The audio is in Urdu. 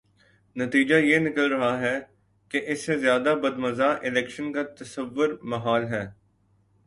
نتیجہ یہ نکل رہا ہے کہ اس سے زیادہ بدمزہ الیکشن کا تصور محال ہے۔